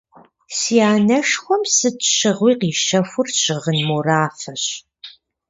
Си анэшхуэм сыт щыгъуи къищэхур щыгъын морафэщ.